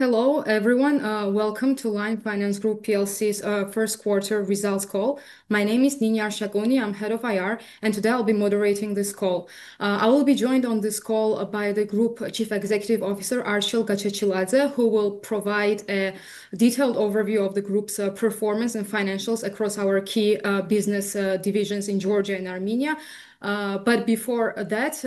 Hello everyone, welcome to Lion Finance Group PLC's first quarter results call. My name is Nini Arshakuni, I'm Head of IR, and today I'll be moderating this call. I will be joined on this call by the Group Chief Executive Officer Archil Gachechiladze, who will provide a detailed overview of the group's performance and financials across our key business divisions in Georgia and Armenia. Before that,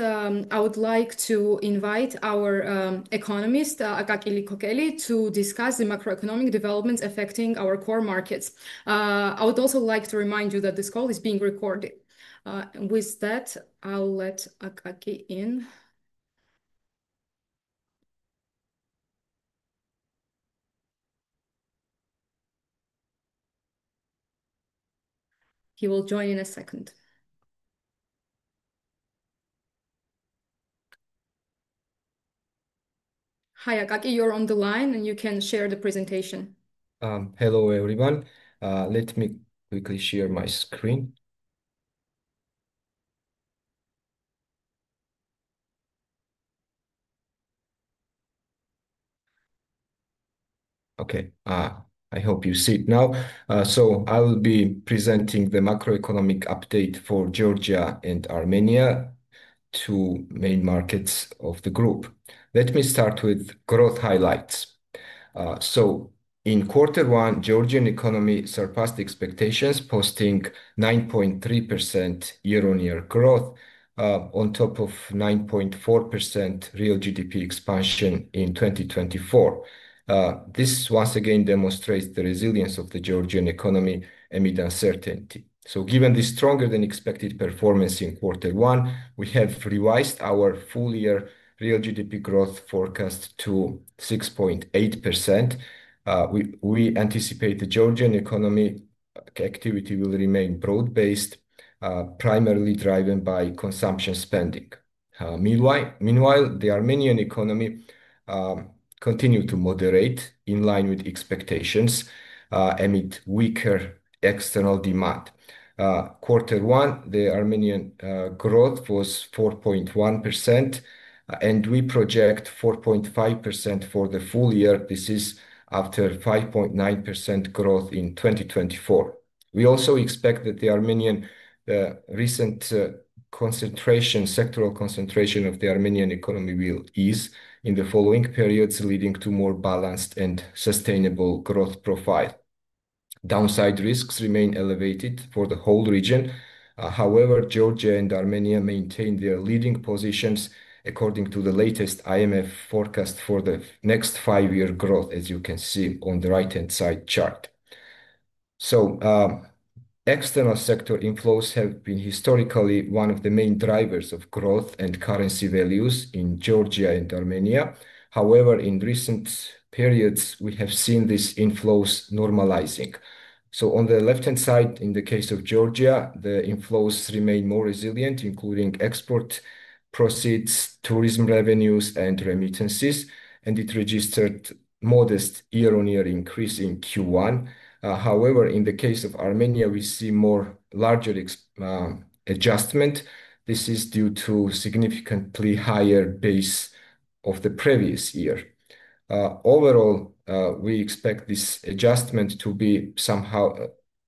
I would like to invite our economist Akaki Liqokeli to discuss the macroeconomic developments affecting our core markets. I would also like to remind you that this call is being recorded. With that, I'll let Akaki in. He will join in a second. Hi Akaki, you're on the line, and you can share the presentation. Hello everyone, let me quickly share my screen. Okay, I hope you see it now. I will be presenting the macroeconomic update for Georgia and Armenia, two main markets of the group. Let me start with growth highlights. In quarter one, Georgian economy surpassed expectations, posting 9.3% year-on-year growth on top of 9.4% real GDP expansion in 2024. This once again demonstrates the resilience of the Georgian economy amid uncertainty. Given the stronger than expected performance in quarter one, we have revised our full year real GDP growth forecast to 6.8%. We anticipate the Georgian economy activity will remain broad-based, primarily driven by consumption spending. Meanwhile, the Armenian economy continued to moderate in line with expectations amid weaker external demand. Quarter one, the Armenian growth was 4.1%, and we project 4.5% for the full year. This is after 5.9% growth in 2024. We also expect that the recent sectoral concentration of the Armenian economy will ease in the following periods, leading to a more balanced and sustainable growth profile. Downside risks remain elevated for the whole region. However, Georgia and Armenia maintain their leading positions according to the latest IMF forecast for the next five-year growth, as you can see on the right-hand side chart. External sector inflows have been historically one of the main drivers of growth and currency values in Georgia and Armenia. However, in recent periods, we have seen these inflows normalizing. On the left-hand side, in the case of Georgia, the inflows remain more resilient, including export proceeds, tourism revenues, and remittances, and it registered a modest year-on-year increase in Q1. In the case of Armenia, we see a larger adjustment. This is due to a significantly higher base of the previous year. Overall, we expect this adjustment to be somehow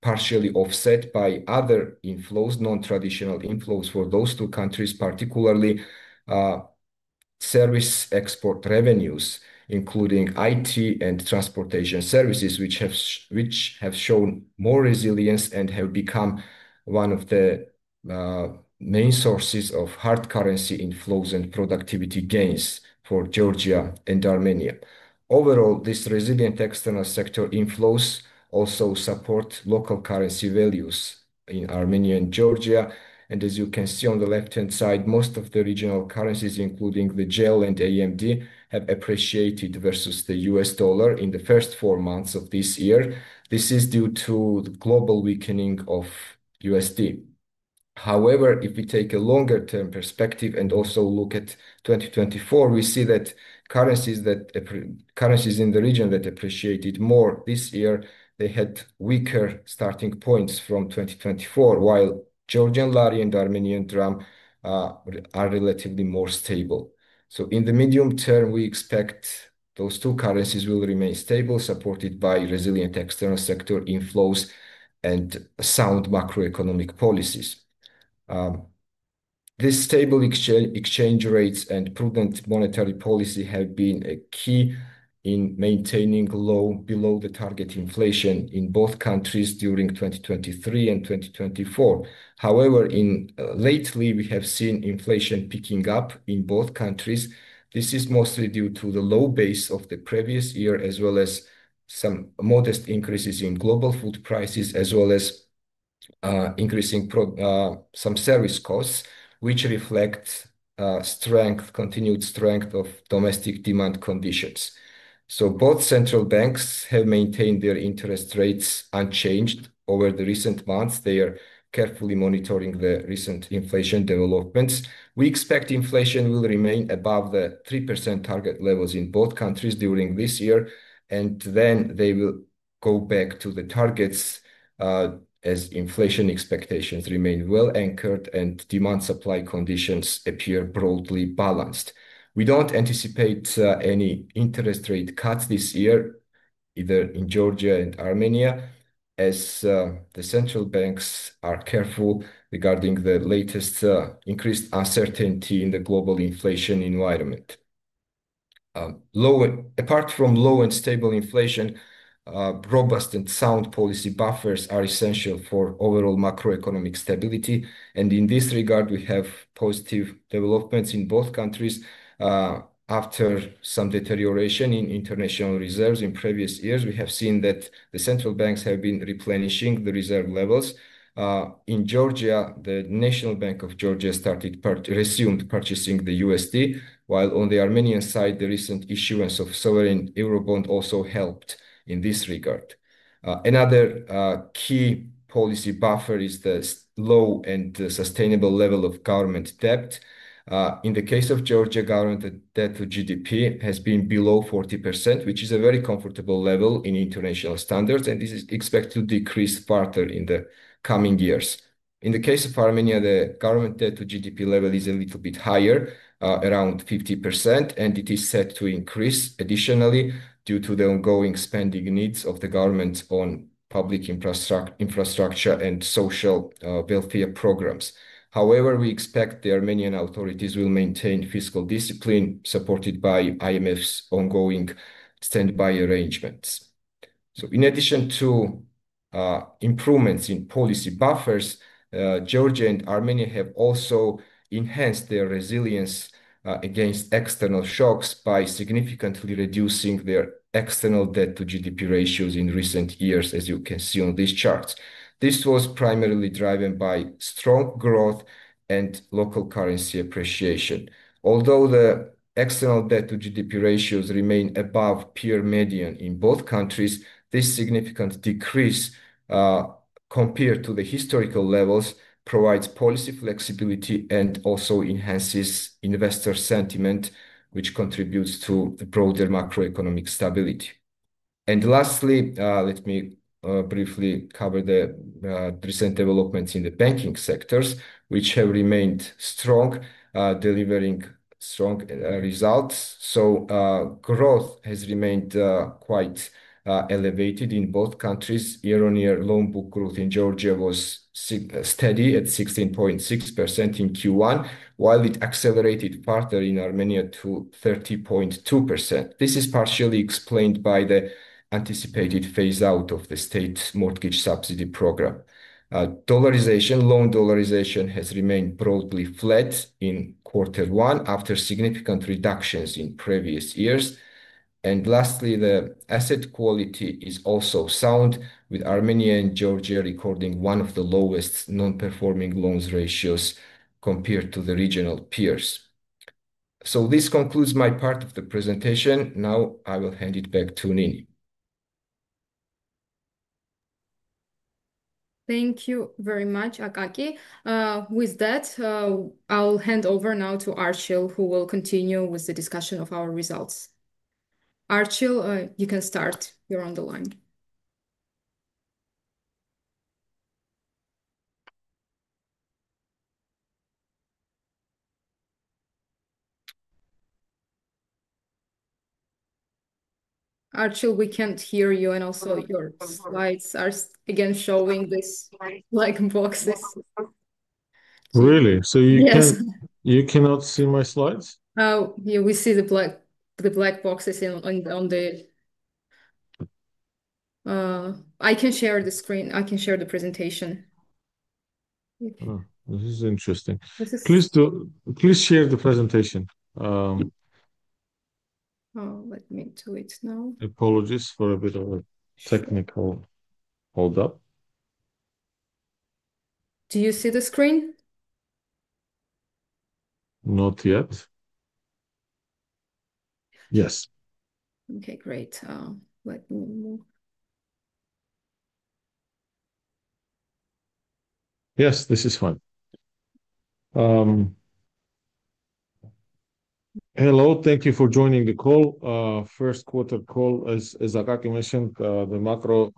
partially offset by other inflows, non-traditional inflows for those two countries, particularly service export revenues, including IT and transportation services, which have shown more resilience and have become one of the main sources of hard currency inflows and productivity gains for Georgia and Armenia. Overall, these resilient external sector inflows also support local currency values in Armenia and Georgia. As you can see on the left-hand side, most of the regional currencies, including the GEL and AMD, have appreciated versus the U.S. dollar in the first four months of this year. This is due to the global weakening of USD. However, if we take a longer-term perspective and also look at 2024, we see that currencies in the region that appreciated more this year, they had weaker starting points from 2024, while Georgian Lari and Armenian Dram are relatively more stable. In the medium term, we expect those two currencies will remain stable, supported by resilient external sector inflows and sound macroeconomic policies. This stable exchange rate and prudent monetary policy have been key in maintaining low below-the-target inflation in both countries during 2023 and 2024. However, lately, we have seen inflation picking up in both countries. This is mostly due to the low base of the previous year, as well as some modest increases in global food prices, as well as increasing some service costs, which reflect continued strength of domestic demand conditions. Both central banks have maintained their interest rates unchanged over the recent months. They are carefully monitoring the recent inflation developments. We expect inflation will remain above the 3% target levels in both countries during this year, and then they will go back to the targets as inflation expectations remain well anchored and demand-supply conditions appear broadly balanced. We do not anticipate any interest rate cuts this year, either in Georgia and Armenia, as the central banks are careful regarding the latest increased uncertainty in the global inflation environment. Apart from low and stable inflation, robust and sound policy buffers are essential for overall macroeconomic stability. In this regard, we have positive developments in both countries. After some deterioration in international reserves in previous years, we have seen that the central banks have been replenishing the reserve levels. In Georgia, the National Bank of Georgia resumed purchasing the USD, while on the Armenian side, the recent issuance of sovereign Eurobond also helped in this regard. Another key policy buffer is the low and sustainable level of government debt. In the case of Georgia, government debt to GDP has been below 40%, which is a very comfortable level in international standards, and this is expected to decrease further in the coming years. In the case of Armenia, the government debt to GDP level is a little bit higher, around 50%, and it is set to increase additionally due to the ongoing spending needs of the government on public infrastructure and social welfare programs. However, we expect the Armenian authorities will maintain fiscal discipline supported by IMF's ongoing standby arrangements. In addition to improvements in policy buffers, Georgia and Armenia have also enhanced their resilience against external shocks by significantly reducing their external debt to GDP ratios in recent years, as you can see on these charts. This was primarily driven by strong growth and local currency appreciation. Although the external debt to GDP ratios remain above peer median in both countries, this significant decrease compared to the historical levels provides policy flexibility and also enhances investor sentiment, which contributes to broader macroeconomic stability. Lastly, let me briefly cover the recent developments in the banking sectors, which have remained strong, delivering strong results. Growth has remained quite elevated in both countries. Year-on-year loan book growth in Georgia was steady at 16.6% in Q1, while it accelerated further in Armenia to 30.2%. This is partially explained by the anticipated phase-out of the state mortgage subsidy program. Loan dollarization has remained broadly flat in quarter one after significant reductions in previous years. Lastly, the asset quality is also sound, with Armenia and Georgia recording one of the lowest non-performing loans ratios compared to the regional peers. So this concludes my part of the presentation. Now I will hand it back to Nini. Thank you very much, Akaki. With that, I'll hand over now to Archil, who will continue with the discussion of our results. Archil, you can start. You're on the line. Archil, we can't hear you, and also your slides are again showing these black boxes. Really? So you cannot see my slides? Yeah, we see the black boxes on the... I can share the screen. I can share the presentation. This is interesting. Please share the presentation. Oh, let me do it now. Apologies for a bit of a technical hold-up. Do you see the screen? Not yet. Yes. Okay, great. Let me move. Yes, this is fine. Hello, thank you for joining the call. First quarter call, as Akaki mentioned, the macro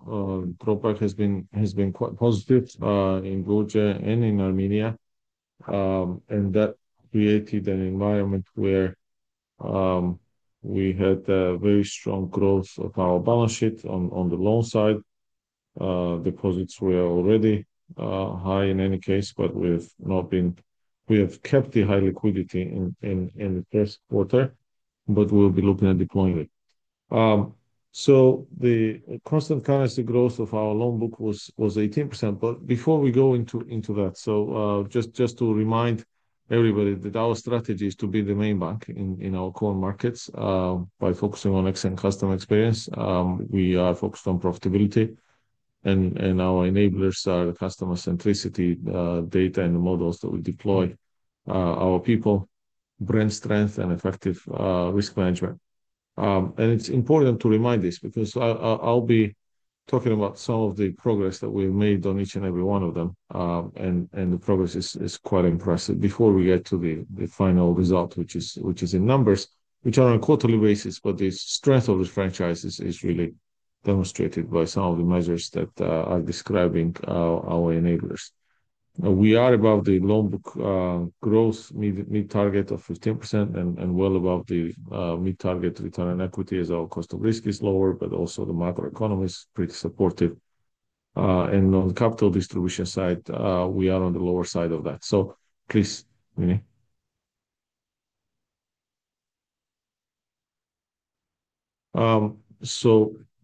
dropout has been quite positive in Georgia and in Armenia. That created an environment where we had a very strong growth of our balance sheet on the loan side. Deposits were already high in any case, but we have not been... We have kept the high liquidity in the first quarter, but we will be looking at deploying it. The constant currency growth of our loan book was 18%. Before we go into that, just to remind everybody that our strategy is to be the main bank in our core markets by focusing on excellent customer experience. We are focused on profitability, and our enablers are the customer centricity, data and the models that we deploy, our people, brand strength, and effective risk management. It is important to remind this because I'll be talking about some of the progress that we've made on each and every one of them, and the progress is quite impressive. Before we get to the final result, which is in numbers, which are on a quarterly basis, the strength of the franchises is really demonstrated by some of the measures that are describing our enablers. We are above the loan book growth mid-target of 15% and well above the mid-target return on equity as our cost of risk is lower, but also the macroeconomy is pretty supportive. On the capital distribution side, we are on the lower side of that. Please, Nini.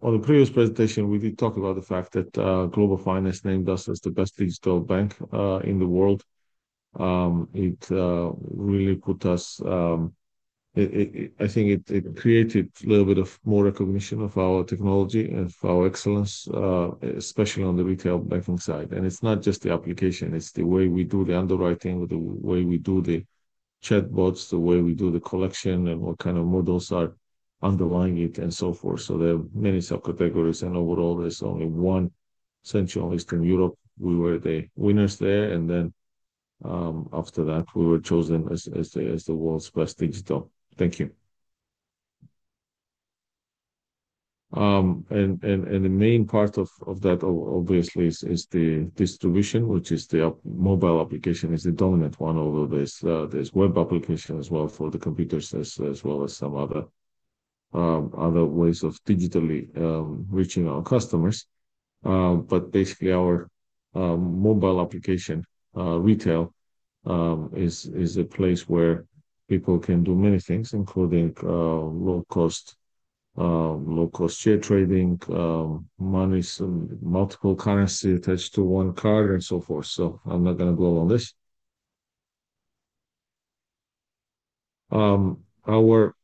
On the previous presentation, we did talk about the fact that Global Finance named us as the best digital bank in the world. It really put us... I think it created a little bit of more recognition of our technology and of our excellence, especially on the retail banking side. It is not just the application. It is the way we do the underwriting, the way we do the chatbots, the way we do the collection, and what kind of models are underlying it, and so forth. There are many subcategories, and overall, there is only one Central and Eastern Europe. We were the winners there, and after that, we were chosen as the world's best digital. Thank you. The main part of that, obviously, is the distribution, which is the mobile application is the dominant one, although there are web applications as well for the computers as well as some other ways of digitally reaching our customers. Basically, our mobile application retail is a place where people can do many things, including low-cost share trading, multiple currencies attached to one card, and so forth. I'm not going to go on this. Our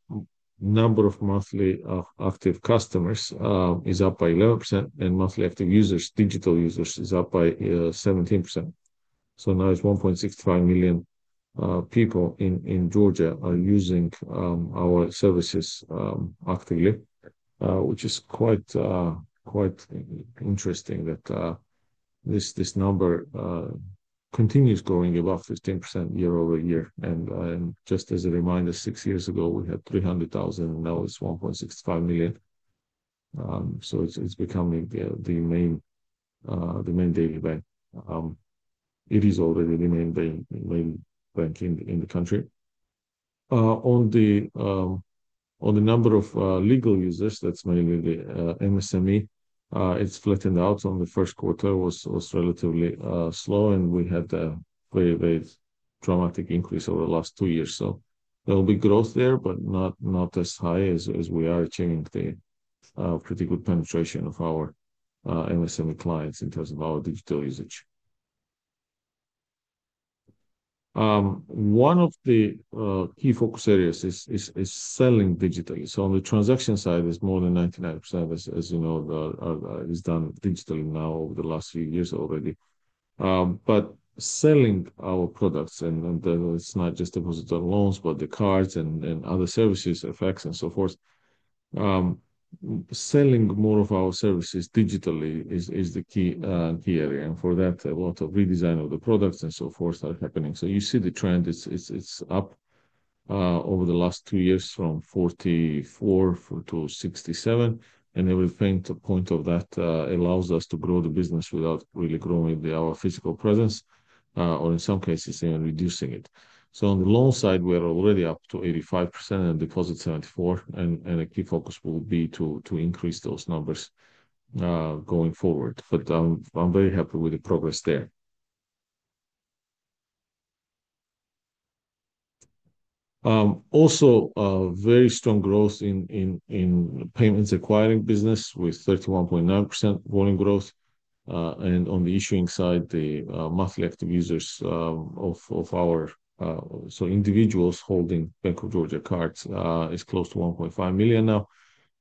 number of monthly active customers is up by 11%, and monthly active users, digital users, is up by 17%. Now it is 1.65 million people in Georgia are using our services actively, which is quite interesting that this number continues growing above 15% year-over-year. Just as a reminder, six years ago, we had 300,000, and now it is 1.65 million. It is becoming the main daily bank. It is already the main bank in the country. On the number of legal users, that's mainly the MSME, it has flattened out. In the first quarter, it was relatively slow, and we had a very, very dramatic increase over the last two years. There will be growth there, but not as high as we are achieving the pretty good penetration of our MSME clients in terms of our digital usage. One of the key focus areas is selling digitally. On the transaction side, it is more than 99%, as you know, is done digitally now over the last few years already. Selling our products, and it is not just deposit on loans, but the cards and other services, FX, and so forth. Selling more of our services digitally is the key area. For that, a lot of redesign of the products and so forth are happening. You see the trend. It is up over the last two years from 44% to 67%. Every point of that allows us to grow the business without really growing our physical presence, or in some cases, even reducing it. On the loan side, we are already up to 85% and deposit 74%. A key focus will be to increase those numbers going forward. I am very happy with the progress there. Also, very strong growth in payments acquiring business with 31.9% volume growth. On the issuing side, the monthly active users of our—so individuals holding Bank of Georgia cards—is close to 1.5 million now,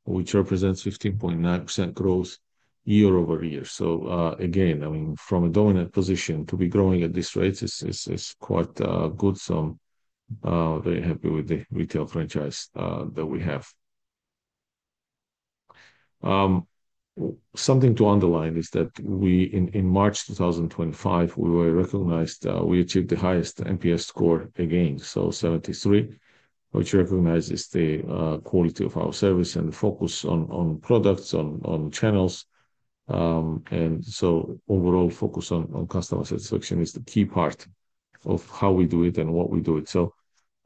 which represents 15.9% growth year over year. Again, I mean, from a dominant position to be growing at these rates is quite good. I am very happy with the retail franchise that we have. Something to underline is that in March 2025, we were recognized, we achieved the highest NPS score again, so 73, which recognizes the quality of our service and the focus on products, on channels. Overall, focus on customer satisfaction is the key part of how we do it and what we do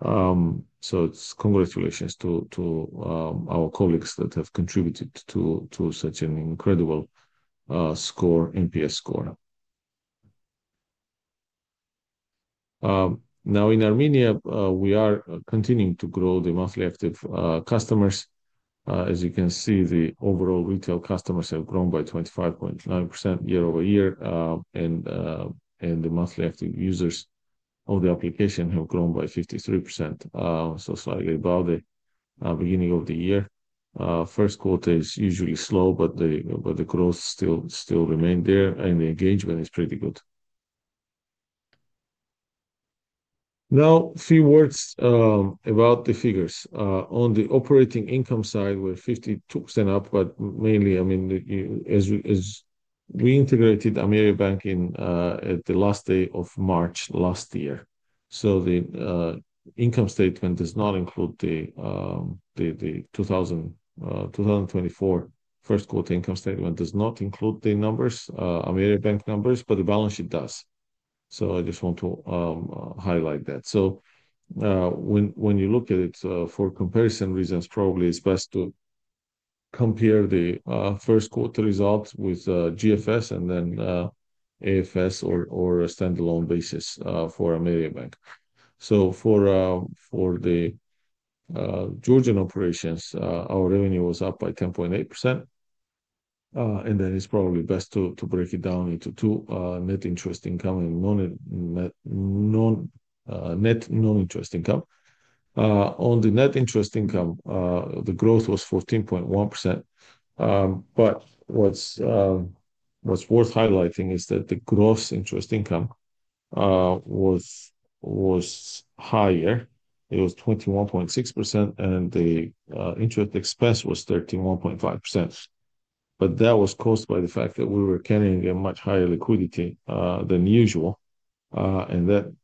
it. Congratulations to our colleagues that have contributed to such an incredible score, NPS score. In Armenia, we are continuing to grow the monthly active customers. As you can see, the overall retail customers have grown by 25.9% year-over-year, and the monthly active users of the application have grown by 53%, so slightly above the beginning of the year. First quarter is usually slow, but the growth still remained there, and the engagement is pretty good. A few words about the figures. On the operating income side, we are 52% up, but mainly, I mean, as we integrated Ameriabank at the last day of March last year. The income statement does not include the 2024 first quarter income statement does not include the numbers, Ameriabank numbers, but the balance sheet does. I just want to highlight that. When you look at it for comparison reasons, probably it's best to compare the first quarter results with GFS and then AFS or a standalone basis for Ameriabank. For the Georgian operations, our revenue was up by 10.8%. It's probably best to break it down into two: net interest income and net non-interest income. On the net interest income, the growth was 14.1%. What's worth highlighting is that the gross interest income was higher. It was 21.6%, and the interest expense was 31.5%. That was caused by the fact that we were carrying a much higher liquidity than usual. That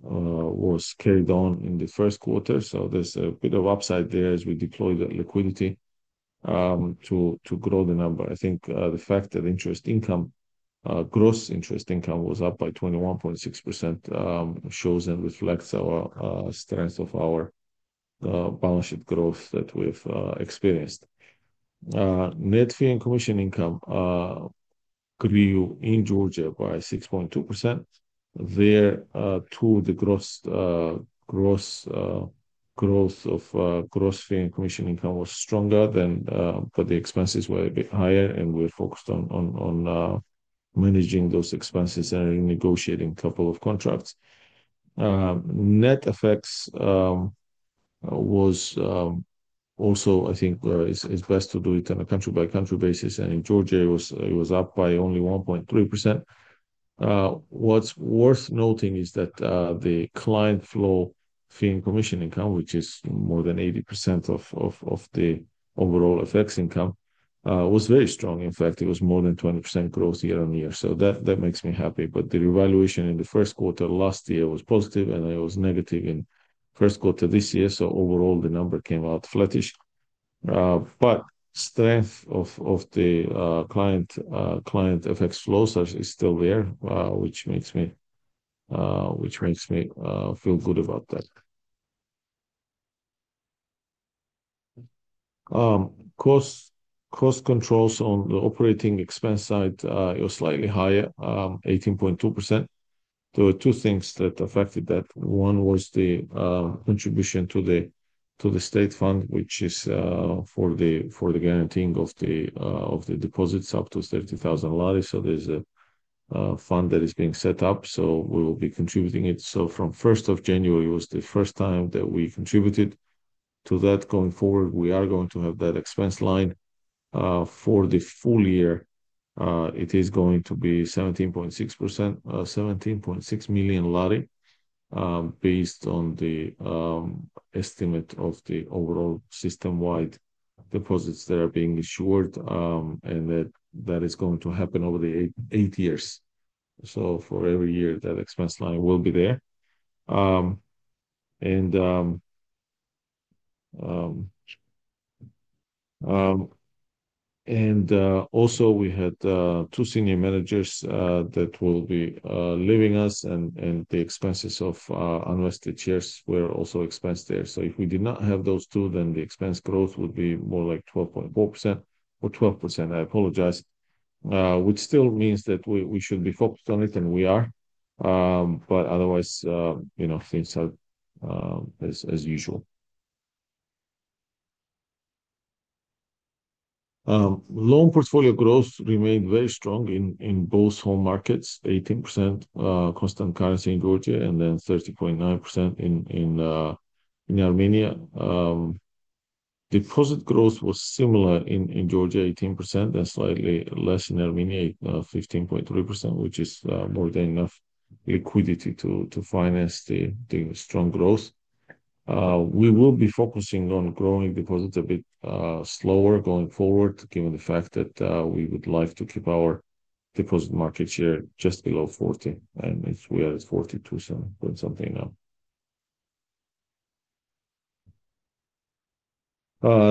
was carried on in the first quarter. There is a bit of upside there as we deployed that liquidity to grow the number. I think the fact that gross interest income was up by 21.6% shows and reflects the strength of our balance sheet growth that we have experienced. Net fee and commission income grew in Georgia by 6.2%. There, too, the growth of gross fee and commission income was stronger, but the expenses were a bit higher, and we are focused on managing those expenses and renegotiating a couple of contracts. Net FX was also, I think, it is best to do it on a country-by-country basis. In Georgia, it was up by only 1.3%. What is worth noting is that the client flow fee and commission income, which is more than 80% of the overall FX income, was very strong. In fact, it was more than 20% growth year-on-year. That makes me happy. The revaluation in the first quarter last year was positive, and it was negative in the first quarter this year. Overall, the number came out flattish. Strength of the client FX flow is still there, which makes me feel good about that. Cost controls on the operating expense side are slightly higher, 18.2%. There were two things that affected that. One was the contribution to the state fund, which is for the guaranteeing of the deposits up to GEL 30,000. There is a fund that is being set up, so we will be contributing to it. From 1st of January was the first time that we contributed. Going forward, we are going to have that expense line. For the full year, it is going to be 17.6%, GEL 17.6 million based on the estimate of the overall system-wide deposits that are being issued, and that is going to happen over the eight years. For every year, that expense line will be there. Also, we had two senior managers that will be leaving us, and the expenses of unrested shares were also expensed there. If we did not have those two, then the expense growth would be more like 12.4% or 12%. I apologize. Which still means that we should be focused on it, and we are. Otherwise, things are as usual. Loan portfolio growth remained very strong in both home markets, 18% constant currency in Georgia, and then 30.9% in Armenia. Deposit growth was similar in Georgia, 18%, and slightly less in Armenia, 15.3%, which is more than enough liquidity to finance the strong growth. We will be focusing on growing deposits a bit slower going forward, given the fact that we would like to keep our deposit market share just below 40%. We are at 42% something now.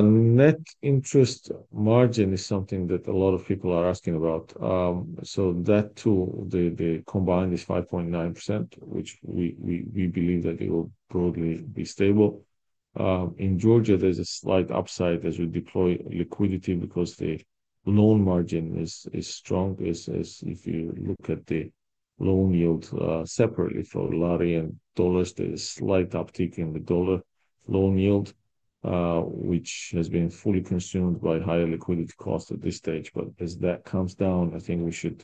Net interest margin is something that a lot of people are asking about. That, too, the combined is 5.9%, which we believe that it will broadly be stable. In Georgia, there is a slight upside as we deploy liquidity because the loan margin is strong. If you look at the loan yield separately for lari and dollars, there is a slight uptick in the dollar loan yield, which has been fully consumed by higher liquidity cost at this stage. As that comes down, I think we should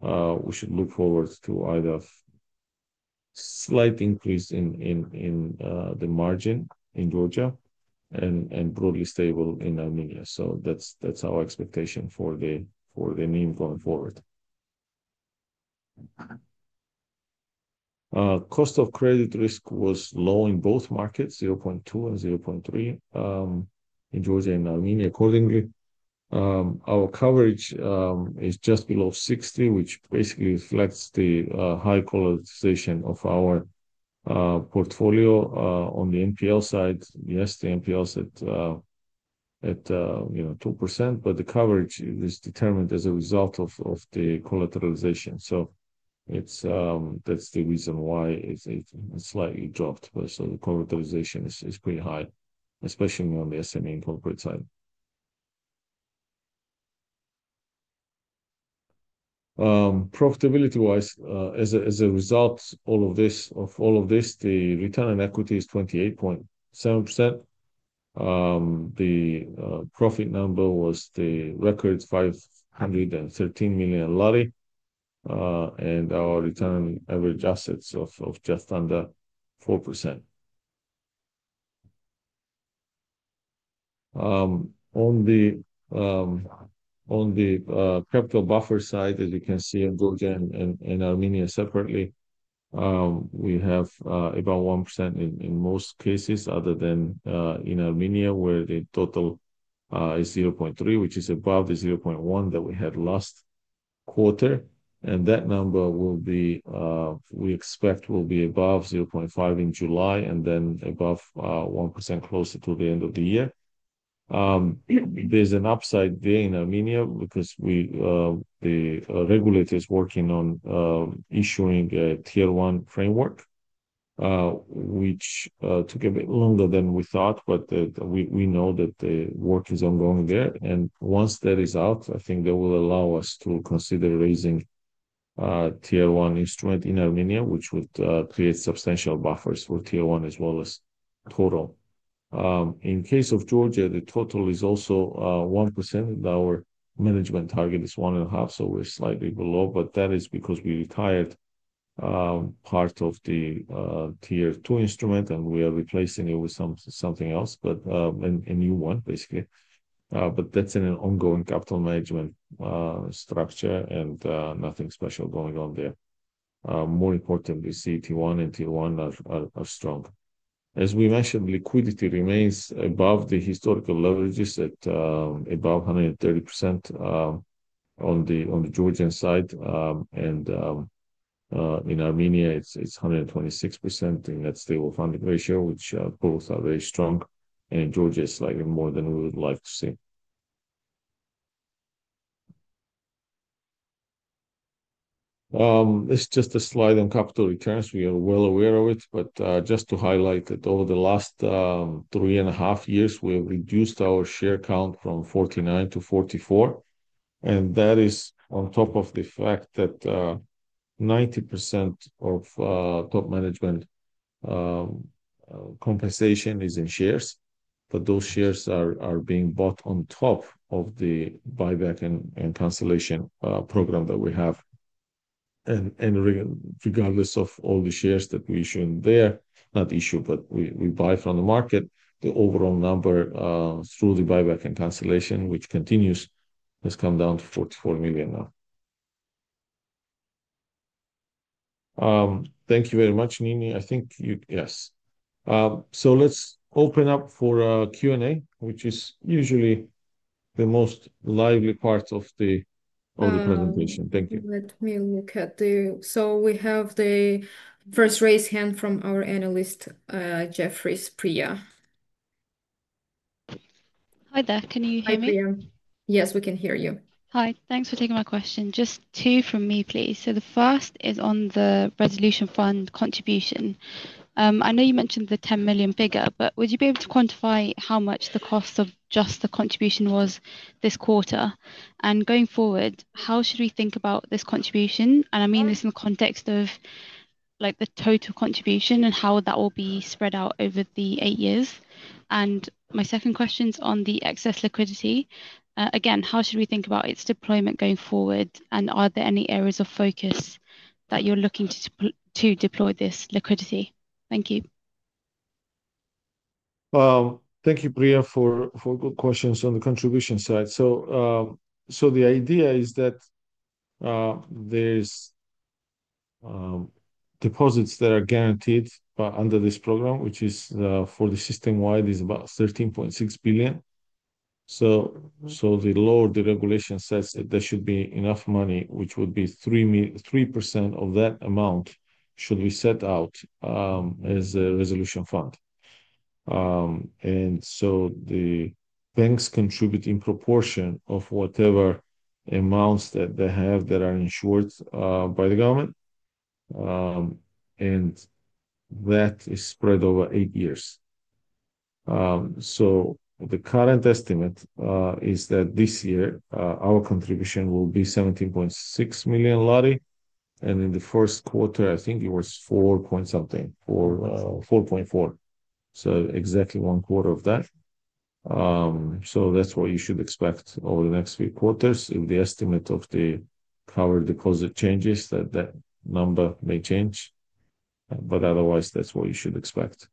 look forward to either a slight increase in the margin in Georgia and broadly stable in Armenia. That is our expectation for the mean going forward. Cost of credit risk was low in both markets, 0.2% and 0.3%, in Georgia and Armenia, accordingly. Our coverage is just below 60%, which basically reflects the high collateralization of our portfolio on the NPL side. Yes, the NPL is at 2%, but the coverage is determined as a result of the collateralization. That is the reason why it has slightly dropped. The collateralization is pretty high, especially on the SME and corporate side. Profitability-wise, as a result of all of this, the return on equity is 28.7%. The profit number was the record GEL 513 million, and our return on average assets of just under 4%. On the capital buffer side, as you can see in Georgia and Armenia separately, we have about 1% in most cases other than in Armenia, where the total is 0.3%, which is above the 0.1% that we had last quarter. That number will be, we expect, will be above 0.5% in July and then above 1% closer to the end of the year. There is an upside there in Armenia because the regulator is working on issuing a tier-one framework, which took a bit longer than we thought, but we know that the work is ongoing there. Once that is out, I think they will allow us to consider raising tier-one instrument in Armenia, which would create substantial buffers for tier-one as well as total. In case of Georgia, the total is also 1%. Our management target is one and a half, so we're slightly below, but that is because we retired part of the tier-two instrument, and we are replacing it with something else, but a new one, basically. That's an ongoing capital management structure and nothing special going on there. More importantly, CT1 and T1 are strong. As we mentioned, liquidity remains above the historical leverages at above 130% on the Georgian side. In Armenia, it's 126% in that stable funding ratio, which both are very strong. In Georgia, it's slightly more than we would like to see. It's just a slide on capital returns. We are well aware of it, but just to highlight that over the last three and a half years, we have reduced our share count from 49 to 44. That is on top of the fact that 90% of top management compensation is in shares, but those shares are being bought on top of the buyback and cancellation program that we have. Regardless of all the shares that we issue there, not issue, but we buy from the market, the overall number through the buyback and cancellation, which continues, has come down to 44 million now. Thank you very much, Nini. I think you yes. Let's open up for a Q&A, which is usually the most lively part of the presentation. Thank you. Let me look at the so we have the first raised hand from our analyst, Jefferies Priya. Hi there. Can you hear me? Hi, Priya. Yes, we can hear you. Hi. Thanks for taking my question. Just two from me, please. The first is on the resolution fund contribution. I know you mentioned the 10 million figure, but would you be able to quantify how much the cost of just the contribution was this quarter? Going forward, how should we think about this contribution? I mean this in the context of the total contribution and how that will be spread out over the eight years. My second question is on the excess liquidity. Again, how should we think about its deployment going forward? Are there any areas of focus that you're looking to deploy this liquidity? Thank you. Thank you, Priya, for good questions on the contribution side. The idea is that there are deposits that are guaranteed under this program, which is for the system-wide, is about 13.6 billion. The law, the regulation says that there should be enough money, which would be 3% of that amount should be set out as a resolution fund. The banks contribute in proportion of whatever amounts that they have that are insured by the government. That is spread over eight years. The current estimate is that this year, our contribution will be GEL 17.6 million. In the first quarter, I think it was four point something, GEL 4.4 million. Exactly one quarter of that. That is what you should expect over the next few quarters. If the estimate of the covered deposit changes, that number may change. Otherwise, that is what you should expect.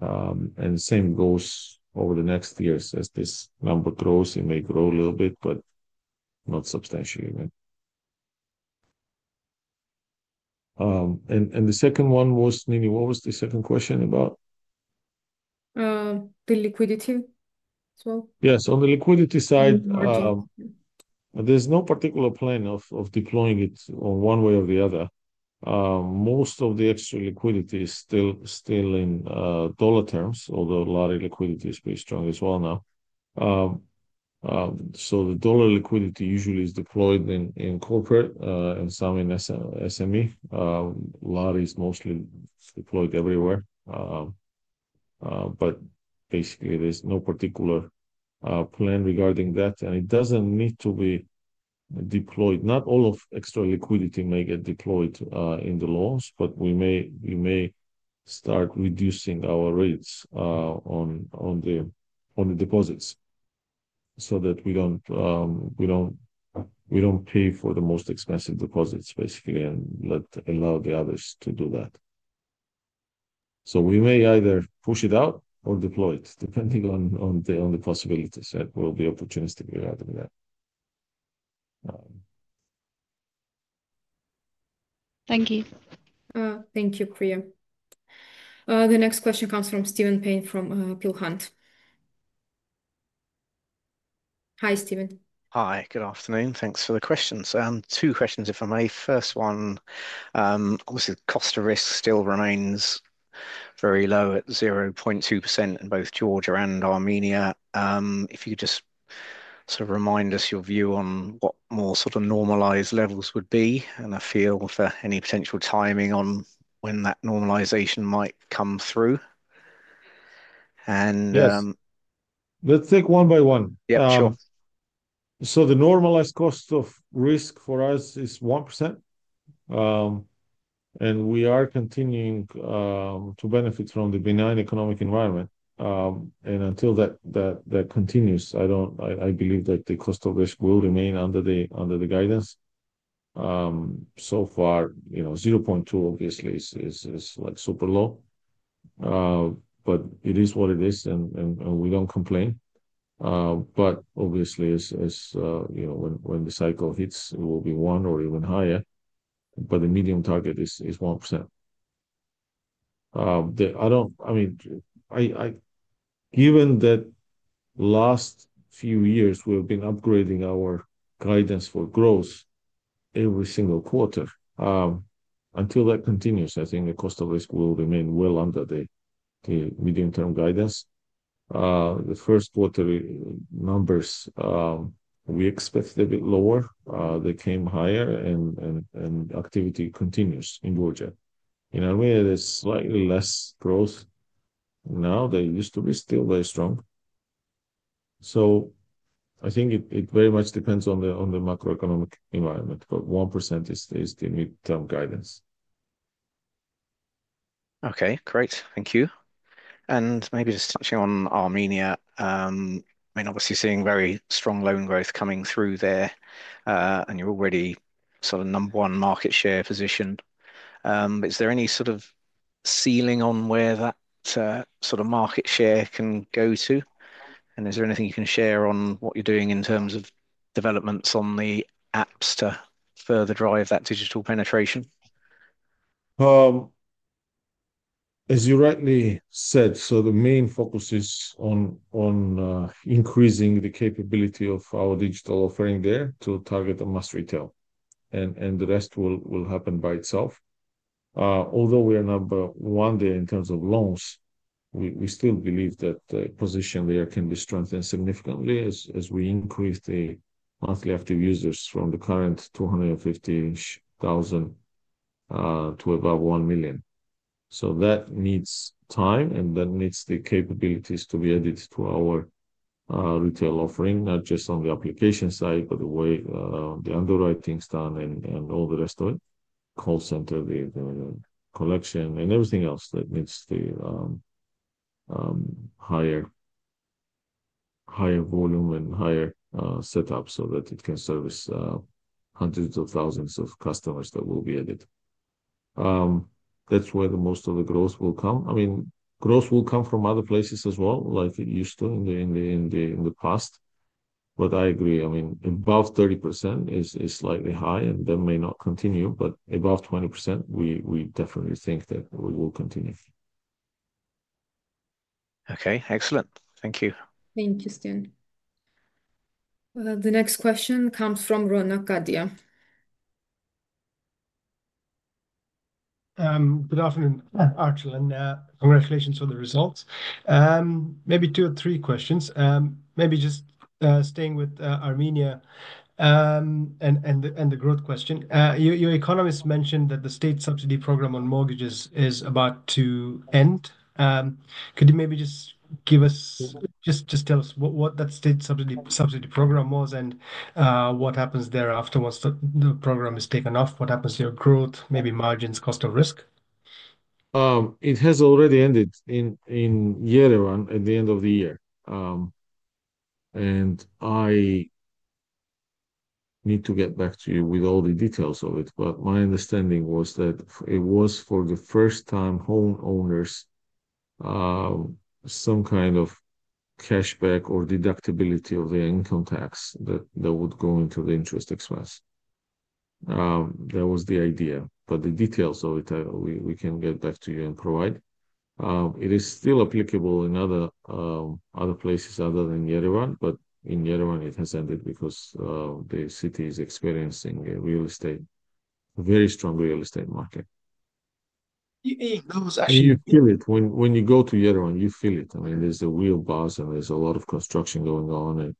The same goes over the next years. As this number grows, it may grow a little bit, but not substantially even. The second one was, Nini, what was the second question about? The liquidity as well? Yes. On the liquidity side, there's no particular plan of deploying it one way or the other. Most of the extra liquidity is still in dollar terms, although lari liquidity is pretty strong as well now. The dollar liquidity usually is deployed in corporate and some in SME. Lari is mostly deployed everywhere. Basically, there's no particular plan regarding that. It doesn't need to be deployed. Not all of extra liquidity may get deployed in the loans, but we may start reducing our rates on the deposits so that we don't pay for the most expensive deposits, basically, and allow the others to do that. We may either push it out or deploy it, depending on the possibilities that will be opportunistic regarding that. Thank you. Thank you, Priya. The next question comes from Stephen Payne from Peel Hunt. Hi, Stephen. Hi. Good afternoon. Thanks for the questions. Two questions, if I may. First one, obviously, the cost of risk still remains very low at 0.2% in both Georgia and Armenia. If you could just sort of remind us your view on what more sort of normalized levels would be, and a feel for any potential timing on when that normalization might come through. Yes. Let's take one by one. Yeah, sure. So the normalized cost of risk for us is 1%. And we are continuing to benefit from the benign economic environment. Until that continues, I believe that the cost of risk will remain under the guidance. So far, 0.2% obviously is super low. It is what it is, and we do not complain. Obviously, when the cycle hits, it will be 1% or even higher. The medium target is 1%. I mean, given that last few years, we've been upgrading our guidance for growth every single quarter. Until that continues, I think the cost of risk will remain well under the medium-term guidance. The first quarter numbers, we expected a bit lower. They came higher, and activity continues in Georgia. In Armenia, there's slightly less growth now. They used to be still very strong. I think it very much depends on the macroeconomic environment. 1% is the mid-term guidance. Okay. Great. Thank you. Maybe just touching on Armenia. I mean, obviously, seeing very strong loan growth coming through there, and you're already sort of number one market share position. Is there any sort of ceiling on where that sort of market share can go to? Is there anything you can share on what you're doing in terms of developments on the apps to further drive that digital penetration? As you rightly said, the main focus is on increasing the capability of our digital offering there to target the mass retail. The rest will happen by itself. Although we are number one there in terms of loans, we still believe that the position there can be strengthened significantly as we increase the monthly active users from the current 250,000 to above 1 million. That needs time, and that needs the capabilities to be added to our retail offering, not just on the application side, but the way the underwriting's done and all the rest of it. Call center, the collection, and everything else that needs the higher volume and higher setup so that it can service hundreds of thousands of customers that will be added. That's where most of the growth will come. I mean, growth will come from other places as well, like it used to in the past. I agree. I mean, above 30% is slightly high, and that may not continue. Above 20%, we definitely think that we will continue. Okay. Excellent. Thank you. Thank you, Stephen. The next question comes from Ronak Gadhia. Good afternoon, Archil, and congratulations on the results. Maybe two or three questions. Maybe just staying with Armenia and the growth question. Your economist mentioned that the state subsidy program on mortgages is about to end. Could you maybe just give us, just tell us what that state subsidy program was and what happens there afterwards? The program is taken off. What happens to your growth, maybe margins, cost of risk? It has already ended in year one at the end of the year. I need to get back to you with all the details of it. My understanding was that it was for the first-time homeowners, some kind of cashback or deductibility of their income tax that would go into the interest expense. That was the idea. The details of it, we can get back to you and provide. It is still applicable in other places other than Yerevan. In Yerevan, it has ended because the city is experiencing a real estate, a very strong real estate market. You feel it. When you go to Yerevan, you feel it. I mean, there's a real buzz, and there's a lot of construction going on,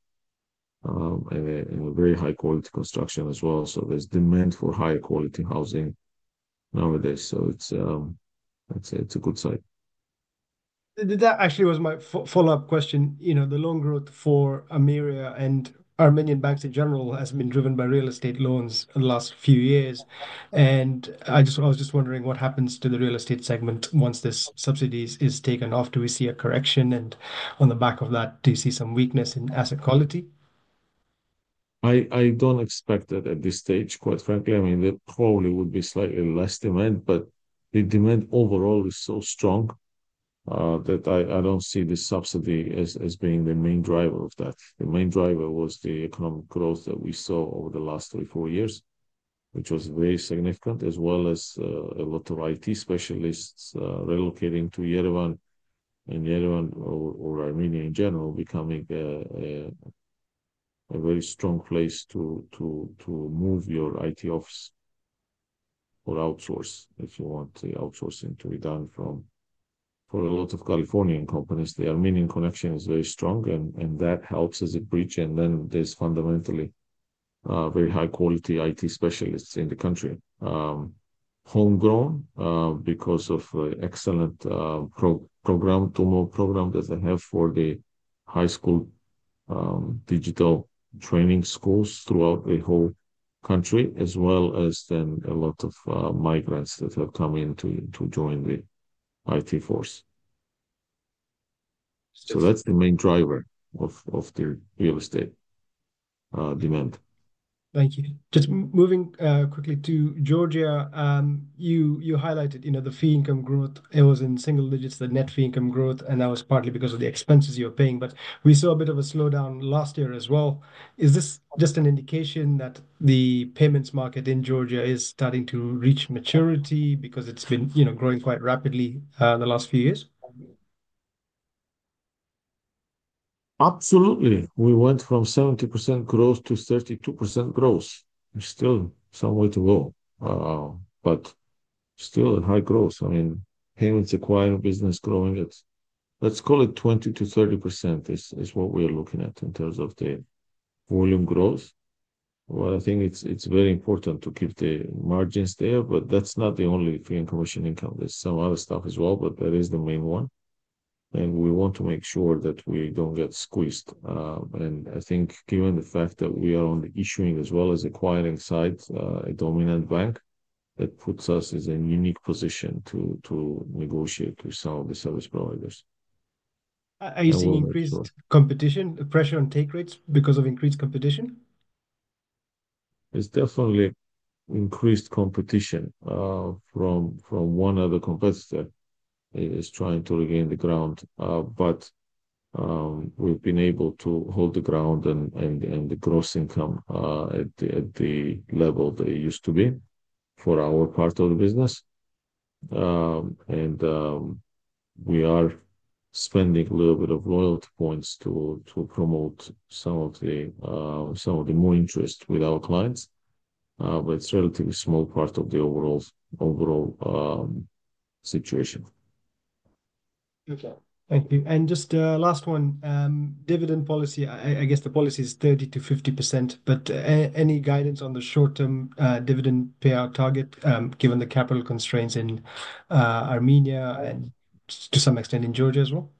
and very high-quality construction as well. There's demand for high-quality housing nowadays. I'd say it's a good sight. That actually was my follow-up question. The loan growth for Armenia and Armenian banks in general has been driven by real estate loans in the last few years. I was just wondering what happens to the real estate segment once this subsidy is taken off. Do we see a correction? On the back of that, do you see some weakness in asset quality? I don't expect that at this stage, quite frankly. I mean, there probably would be slightly less demand. The demand overall is so strong that I don't see the subsidy as being the main driver of that. The main driver was the economic growth that we saw over the last three, four years, which was very significant, as well as a lot of IT specialists relocating to Yerevan and Yerevan or Armenia in general, becoming a very strong place to move your IT office or outsource if you want the outsourcing to be done from. For a lot of Californian companies, the Armenian connection is very strong, and that helps as a bridge. There are fundamentally very high-quality IT specialists in the country, homegrown because of the excellent TUMO program that they have for the high school digital training schools throughout the whole country, as well as then a lot of migrants that have come in to join the IT force. That is the main driver of the real estate demand. Thank you. Just moving quickly to Georgia, you highlighted the fee income growth. It was in single-digits, the net fee income growth. That was partly because of the expenses you're paying. We saw a bit of a slowdown last year as well. Is this just an indication that the payments market in Georgia is starting to reach maturity because it's been growing quite rapidly in the last few years? Absolutely. We went from 70% growth to 32% growth. There's still some way to go, but still a high growth. I mean, payments acquiring business, growing it. Let's call it 20%-30% is what we are looking at in terms of the volume growth. I think it's very important to keep the margins there. That's not the only fee and commission income. There's some other stuff as well, but that is the main one. We want to make sure that we don't get squeezed. I think given the fact that we are on the issuing as well as acquiring side, a dominant bank, that puts us in a unique position to negotiate with some of the service providers. Are you seeing increased competition, pressure on take rates because of increased competition? There is definitely increased competition from one other competitor. It is trying to regain the ground. We have been able to hold the ground and the gross income at the level they used to be for our part of the business. We are spending a little bit of loyalty points to promote some of the more interest with our clients. It is a relatively small part of the overall situation. Okay. Thank you. Just last one, dividend policy. I guess the policy is 30%-50%. Any guidance on the short-term dividend payout target given the capital constraints in Armenia and to some extent in Georgia as well?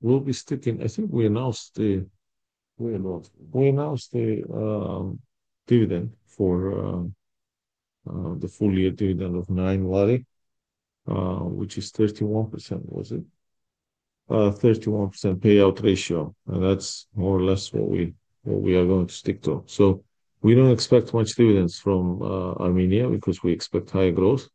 We will be sticking. I think we announced the dividend for the full year dividend of GEL 9, which is 31%, was it? 31% payout ratio. That is more or less what we are going to stick to. We do not expect much dividends from Armenia because we expect high growth.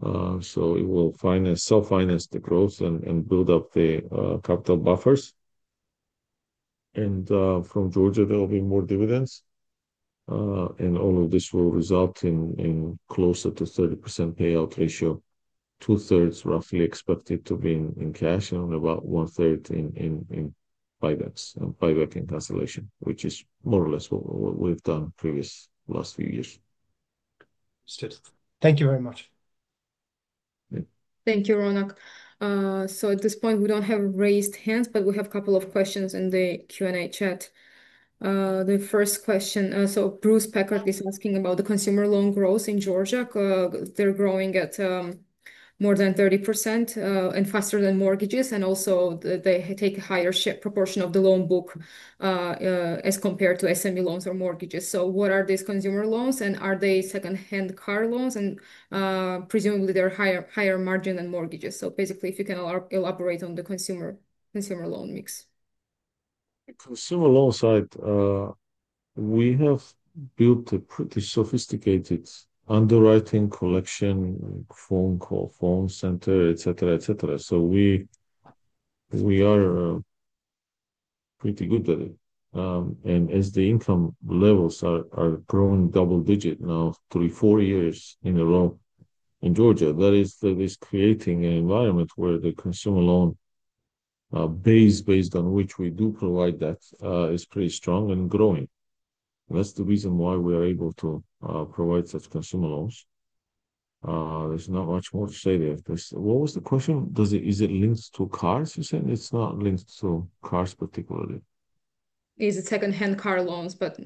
We will self-finance the growth and build up the capital buffers. From Georgia, there will be more dividends. All of this will result in closer to 30% payout ratio, two-thirds roughly expected to be in cash and about one-third in buybacks and buyback in cancellation, which is more or less what we have done previous last few years. Understood. Thank you very much. Thank you, Ronak. At this point, we don't have raised hands, but we have a couple of questions in the Q&A chat. The first question, Bruce Packard is asking about the consumer loan growth in Georgia. They're growing at more than 30% and faster than mortgages. Also, they take a higher proportion of the loan book as compared to SME loans or mortgages. What are these consumer loans? Are they second-hand car loans? Presumably, they're higher margin than mortgages. Basically, if you can elaborate on the consumer loan mix. Consumer loan side, we have built a pretty sophisticated underwriting collection, phone call, phone center, et cetera, et cetera. We are pretty good at it. As the income levels are growing double-digit now, three, four years in a row in Georgia, that is creating an environment where the consumer loan base based on which we do provide that is pretty strong and growing. That's the reason why we are able to provide such consumer loans. There's not much more to say there. What was the question? Is it linked to cars, you said? It's not linked to cars particularly. Is it second-hand car loans, but?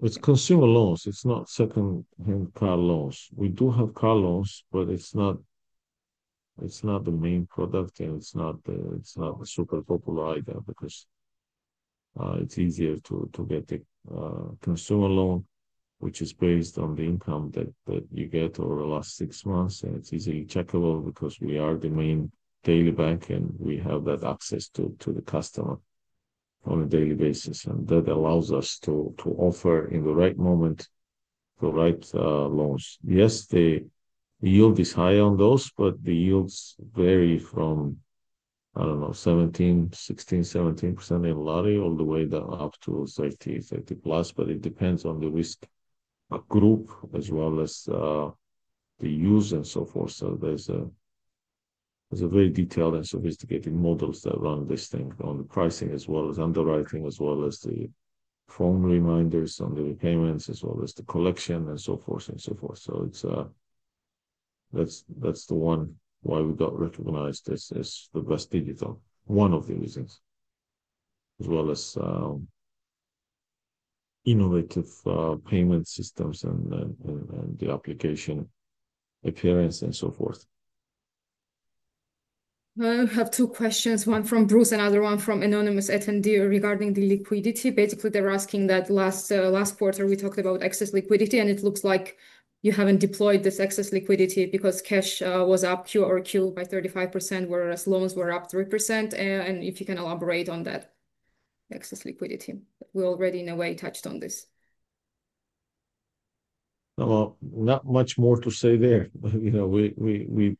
It's consumer loans. It's not second-hand car loans. We do have car loans, but it's not the main product. It's not the super popular item because it's easier to get the consumer loan, which is based on the income that you get over the last six months. It is easily checkable because we are the main daily bank, and we have that access to the customer on a daily basis. That allows us to offer in the right moment the right loans. Yes, the yield is high on those, but the yields vary from, I don't know, 16%-17% in lari all the way up to 30%-30% plus. It depends on the risk group as well as the use and so forth. There are very detailed and sophisticated models that run this thing on the pricing as well as underwriting, as well as the phone reminders on the repayments, as well as the collection and so forth and so forth. That is one reason why we got recognized as the best digital, one of the reasons, as well as innovative payment systems and the application appearance and so forth. I have two questions, one from Bruce and another one from anonymous attendee regarding the liquidity. Basically, they're asking that last quarter we talked about excess liquidity, and it looks like you haven't deployed this excess liquidity because cash was up or killed by 35%, whereas loans were up 3%. If you can elaborate on that excess liquidity. We already, in a way, touched on this. Not much more to say there. We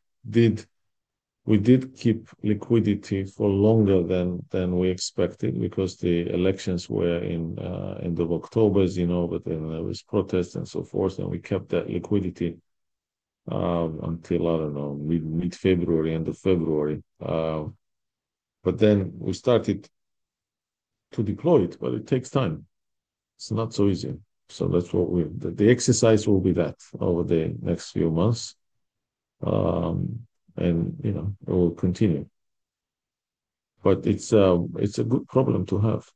did keep liquidity for longer than we expected because the elections were in the end of October, as you know, but then there was protest and so forth. We kept that liquidity until, I don't know, mid-February, end of February. Then we started to deploy it, but it takes time. It's not so easy. That is what we, the exercise will be that over the next few months. It will continue. It's a good problem to have.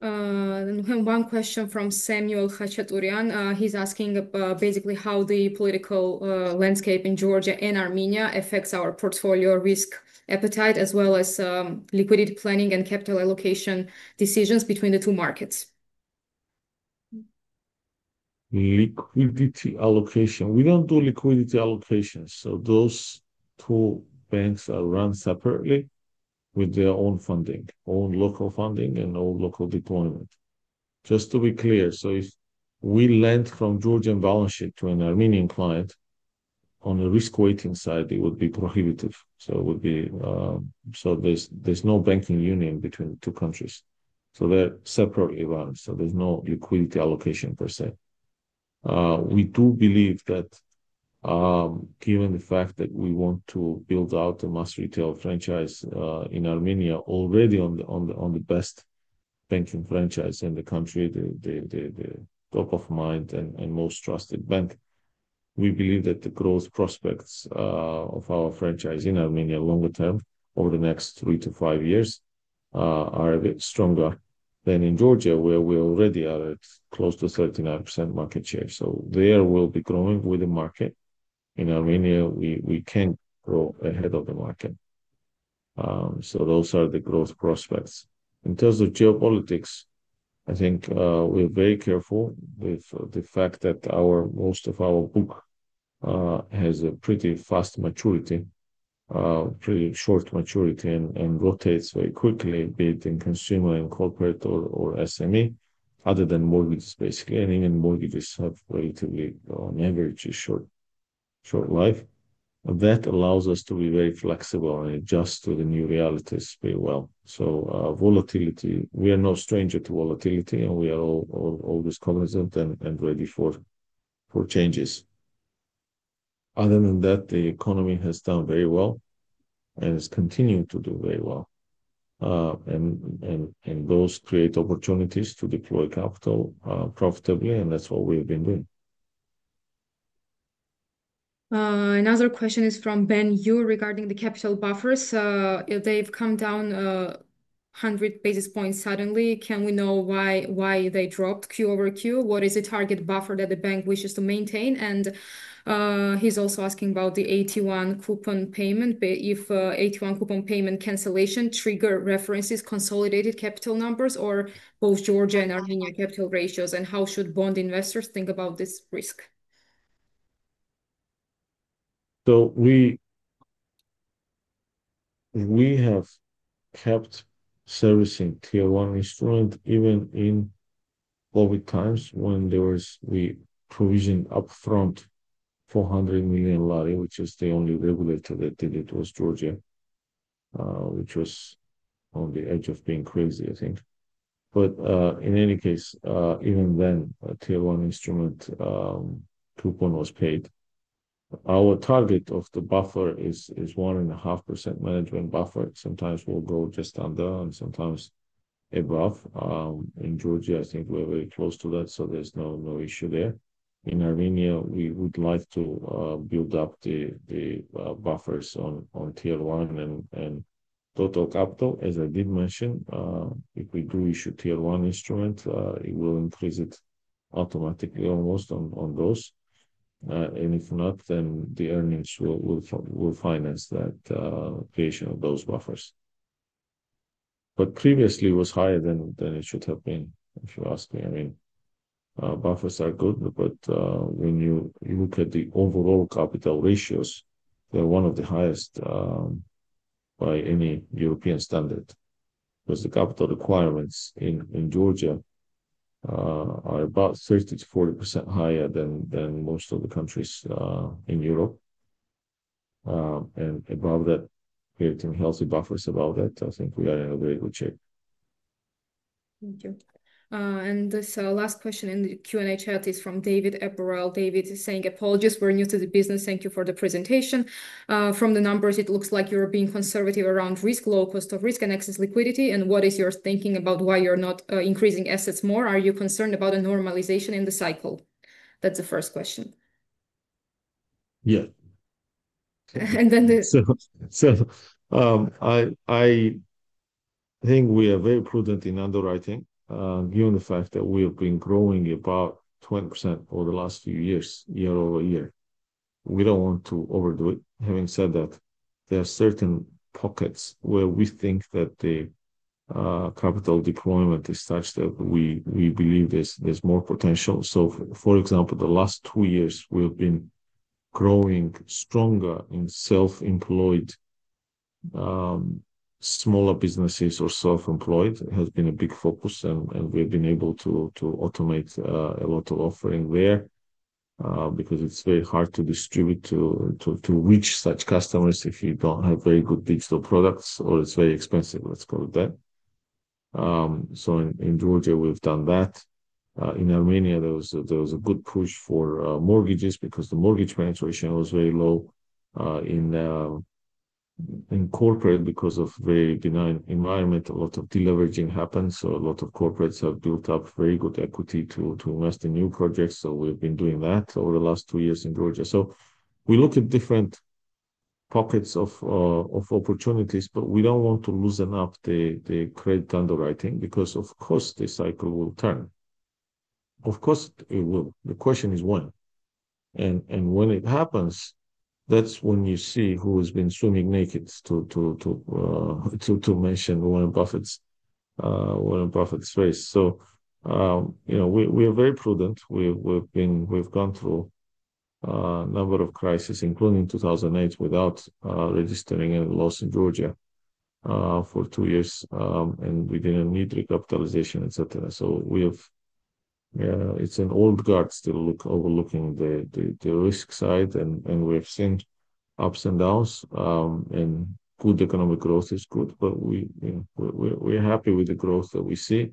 We have one question from Samuel Khachaturian. He's asking basically how the political landscape in Georgia and Armenia affects our portfolio risk appetite, as well as liquidity planning and capital allocation decisions between the two markets. Liquidity allocation. We don't do liquidity allocations. Those two banks are run separately with their own funding, own local funding, and own local deployment. Just to be clear, if we lent from Georgian balance sheet to an Armenian client on the risk-weighting side, it would be prohibitive. There's no banking union between the two countries. They're separately run. There's no liquidity allocation per se. We do believe that given the fact that we want to build out the mass retail franchise in Armenia already on the best banking franchise in the country, the top-of-mind and most trusted bank, we believe that the growth prospects of our franchise in Armenia longer term over the next three to five years are a bit stronger than in Georgia, where we already are at close to 39% market share. There we will be growing with the market. In Armenia, we cannot grow ahead of the market. Those are the growth prospects. In terms of geopolitics, I think we are very careful with the fact that most of our book has a pretty fast maturity, pretty short maturity, and rotates very quickly, be it in consumer and corporate or SME, other than mortgages, basically. Even mortgages have relatively on average a short life. That allows us to be very flexible and adjust to the new realities very well. Volatility, we are no stranger to volatility, and we are always cognizant and ready for changes. Other than that, the economy has done very well and is continuing to do very well. Those create opportunities to deploy capital profitably. That is what we have been doing. Another question is from Ben Yu regarding the capital buffers. They have come down 100 basis points suddenly. Can we know why they dropped Q over Q? What is the target buffer that the bank wishes to maintain? He is also asking about the 81 coupon payment, if 81 coupon payment cancellation trigger references consolidated capital numbers or both Georgia and Armenia capital ratios. How should bond investors think about this risk? We have kept servicing tier-one instrument even in COVID times when there was provision upfront GEL 400 million, which is the only regulator that did it was Georgia, which was on the edge of being crazy, I think. In any case, even then, tier-one instrument coupon was paid. Our target of the buffer is 1.5% management buffer. Sometimes we'll go just under and sometimes above. In Georgia, I think we're very close to that. There's no issue there. In Armenia, we would like to build up the buffers on tier one and total capital. As I did mention, if we do issue tier one instrument, it will increase it automatically almost on those. If not, then the earnings will finance that creation of those buffers. Previously, it was higher than it should have been if you ask me. I mean, buffers are good, but when you look at the overall capital ratios, they're one of the highest by any European standard because the capital requirements in Georgia are about 30%-40% higher than most of the countries in Europe. Above that, creating healthy buffers above that, I think we are in a very good shape. Thank you. This last question in the Q&A chat is from David Eperel. David is saying, "Apologies. We're new to the business. Thank you for the presentation." From the numbers, it looks like you're being conservative around risk, low cost of risk, and excess liquidity. What is your thinking about why you're not increasing assets more? Are you concerned about a normalization in the cycle? That's the first question. Yeah. And then the. I think we are very prudent in underwriting given the fact that we have been growing about 20% over the last few years, year-over-year. We do not want to overdo it. Having said that, there are certain pockets where we think that the capital deployment is such that we believe there is more potential. For example, the last two years, we have been growing stronger in self-employed, smaller businesses or self-employed. It has been a big focus. We have been able to automate a lot of offering there because it is very hard to distribute to reach such customers if you do not have very good digital products or it is very expensive, let us call it that. In Georgia, we have done that. In Armenia, there was a good push for mortgages because the mortgage penetration was very low in corporate because of very benign environment. A lot of deleveraging happened. A lot of corporates have built up very good equity to invest in new projects. We've been doing that over the last two years in Georgia. We look at different pockets of opportunities, but we don't want to loosen up the credit underwriting because, of course, the cycle will turn. Of course, it will. The question is when. When it happens, that's when you see who has been swimming naked, to mention Warren Buffett's phrase. We are very prudent. We've gone through a number of crises, including 2008, without registering any loss in Georgia for two years. We didn't need recapitalization, etc. It's an old guard still overlooking the risk side. We've seen ups and downs. Good economic growth is good. We're happy with the growth that we see.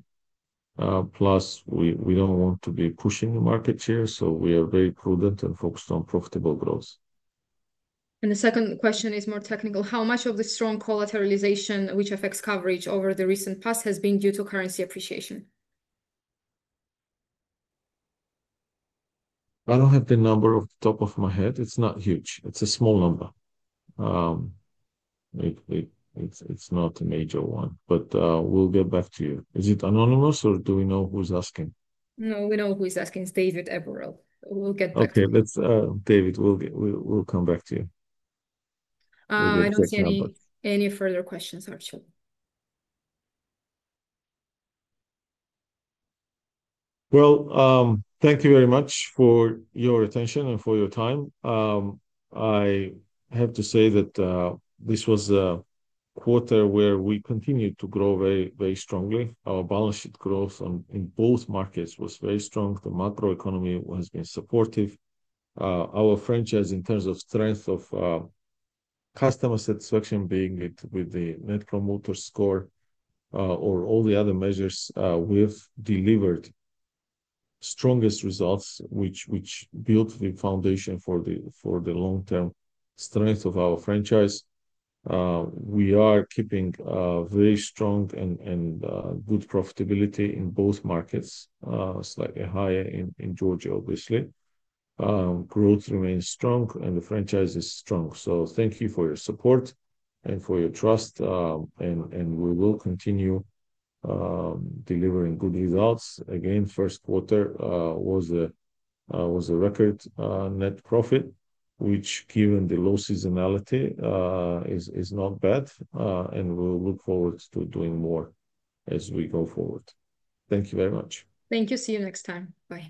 Plus, we don't want to be pushing the market share. We are very prudent and focused on profitable growth. The second question is more technical. How much of the strong collateralization, which affects coverage over the recent past, has been due to currency appreciation? I do not have the number off the top of my head. It is not huge. It is a small number. It is not a major one. We will get back to you. Is it anonymous, or do we know who is asking? No, we know who is asking. It is David Eperel. We will get back to you. Okay. David, we will come back to you. I do not see any further questions, actually. Thank you very much for your attention and for your time. I have to say that this was a quarter where we continued to grow very strongly. Our balance sheet growth in both markets was very strong. The macro economy has been supportive. Our franchise, in terms of strength of customer satisfaction being with the Net Promoter Score or all the other measures, we have delivered strongest results, which built the foundation for the long-term strength of our franchise. We are keeping very strong and good profitability in both markets, slightly higher in Georgia, obviously. Growth remains strong, and the franchise is strong. Thank you for your support and for your trust. We will continue delivering good results. Again, first quarter was a record net profit, which, given the low seasonality, is not bad. We look forward to doing more as we go forward. Thank you very much. Thank you. See you next time. Bye.